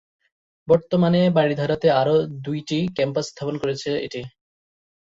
বর্তমানে বারিধারা তে আরো দুই টি ক্যাম্পাস স্থাপন করেছে এটি।